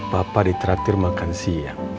bapak diterapir makan siang